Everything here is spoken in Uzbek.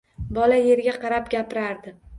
Bola yerga qarab gapirardi.